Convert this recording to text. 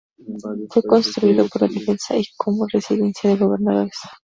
Fue construido para la defensa y como residencia de gobernadores.